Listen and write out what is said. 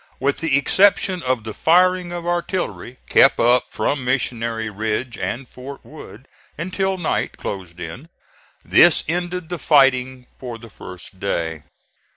With the exception of the firing of artillery, kept up from Missionary Ridge and Fort Wood until night closed in, this ended the fighting for the first day.